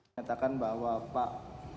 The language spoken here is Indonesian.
menyatakan bahwa pak